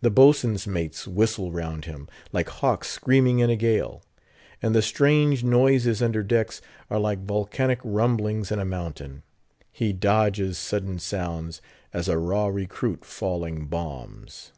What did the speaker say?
The Boatswain's mates whistle round him, like hawks screaming in a gale, and the strange noises under decks are like volcanic rumblings in a mountain. He dodges sudden sounds, as a raw recruit falling bombs.